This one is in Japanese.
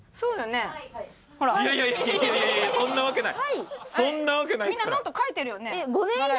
いやいやいやいやそんなわけない！